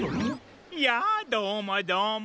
やあどうもどうも。